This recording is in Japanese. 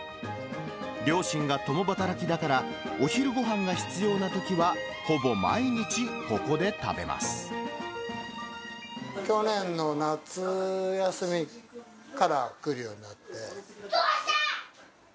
両親が共働きだから、お昼ごはんが必要なときはほぼ毎日ここで食去年の夏休みから来るようにどうした！